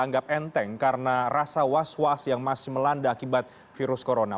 anggap enteng karena rasa was was yang masih melanda akibat virus corona